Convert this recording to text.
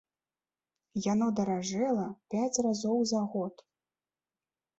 Яно даражэла пяць разоў за год!